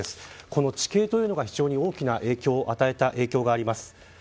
この地形というのが非常に大きな影響を与えた影響があります。